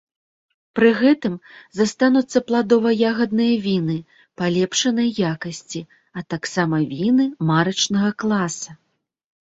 Пры гэтым застануцца пладова-ягадныя віны палепшанай якасці, а таксама віны марачнага класа.